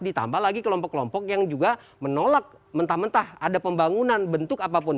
ditambah lagi kelompok kelompok yang juga menolak mentah mentah ada pembangunan bentuk apapun